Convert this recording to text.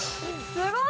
◆すごい！